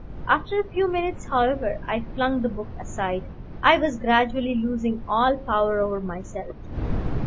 After a few minutes, however, I flung the book aside; I was gradually losing all power over myself.